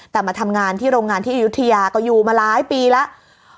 แต่มาทำงานที่โรงงานที่อายุทยาก็อยู่มาหลายปีแล้ว